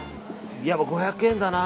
やっぱ５００円だな。